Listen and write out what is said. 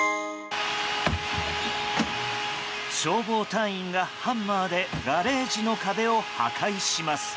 消防隊員がハンマーでガレージの壁を破壊します。